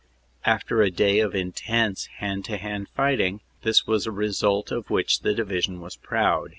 "After a day of intense hand to hand fighting this was a result of which the Division was proud.